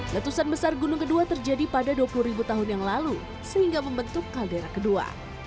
letusan besar gunung kedua terjadi pada dua puluh tahun yang lalu sehingga membentuk kaldera kedua